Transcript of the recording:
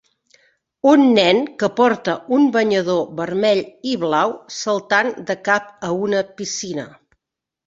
Un nen que porta un banyador vermell i blau saltant de cap a una piscina.